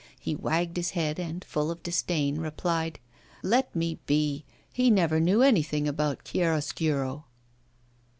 He wagged his head and, full of disdain, replied: 'Let me be! He never knew anything about chiaroscuro.